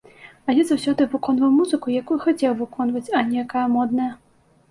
А я заўсёды выконваў музыку, якую хацеў выконваць, а не якая модная.